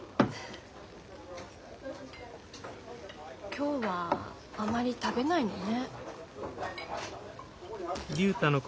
今日はあまり食べないのね。